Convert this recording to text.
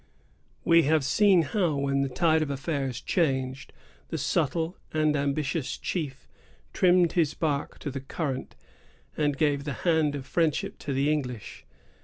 We have seen how, when the tide of affairs changed, the subtle and ambitious chief trimmed his bark to the current, and gave the hand of friendship to the English.